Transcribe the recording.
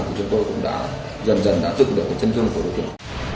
thì chúng tôi cũng đã dần dần đã trực đẩy đến chân chung của đội tuyển